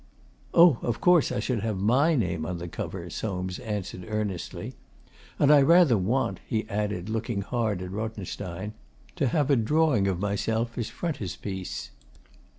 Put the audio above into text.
'Oh, of course I should have my name on the cover,' Soames answered earnestly. 'And I rather want,' he added, looking hard at Rothenstein, 'to have a drawing of myself as frontispiece.